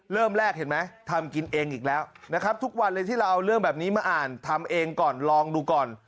เริ่มแรกเห็นไหมทำกินเองอีกแล้วนะครับทุกวันเลยที่เราเอาเรื่องแบบนี้มาอ่านทำเองก่อนลองดูก่อน